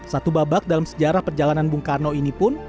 satu babak dalam sejarah perjalanan bung karno ini pun